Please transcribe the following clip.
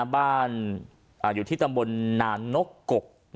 บ้านอยู่ที่ตำบลนานนกก